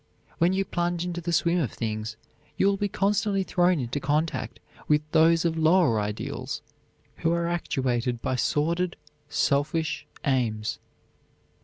When you plunge into the swim of things, you will be constantly thrown into contact with those of lower ideals, who are actuated only by sordid, selfish aims.